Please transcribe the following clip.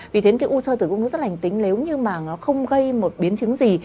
vì thế cái u sơ tử cung nó rất lành tính nếu như mà nó không gây một biến chứng gì